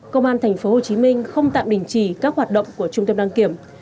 công an tp hcm không tạm đình chỉ các hoạt động của trung tâm đăng kiểm